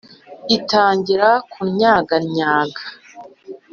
itangira kunnyagannyaga